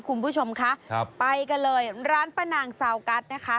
คุณผู้ชมคะครับไปกันเลยร้านป้านางซาวกัสนะคะ